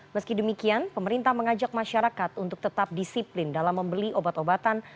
meski demikian pemerintah mengajak masyarakat untuk tetap disiplin dalam membeli obat obatan